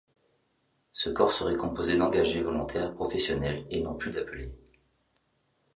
Ce corps serait composé d'engagés volontaires professionnels et non plus d'appelés.